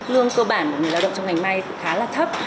lương cơ bản của người lao động trong ngành may khá là thấp